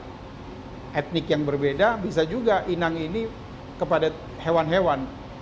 bisa juga yang berbeda etnik yang berbeda bisa juga inang ini kepada hewan hewan